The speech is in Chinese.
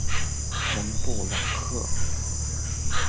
蒙布朗克。